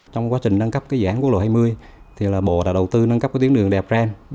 trong quá trình nâng cấp dự án quốc lộ hai mươi bộ đã đầu tư nâng cấp tuyến đường đèo brand